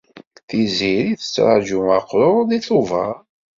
Tiziri tettraǧu aqrur deg Tubeṛ.